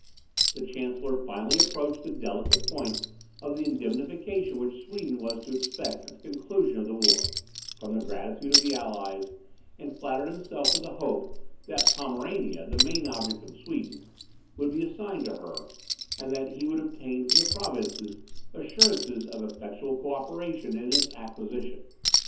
The chancellor finally approached the delicate point of the indemnification which Sweden was to expect at the conclusion of the war, from the gratitude of the allies, and flattered himself with the hope that Pomerania, the main object of Sweden, would be assigned to her, and that he would obtain from the provinces, assurances of effectual cooperation in its acquisition.